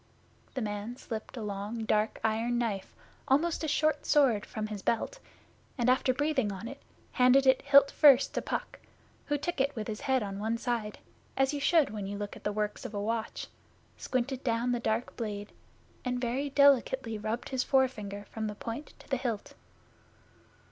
The man slipped a long dark iron knife, almost a short sword, from his belt, and after breathing on it, handed it hilt first to Puck, who took it with his head on one side, as you should when you look at the works of a watch, squinted down the dark blade, and very delicately rubbed his forefinger from the point to the hilt.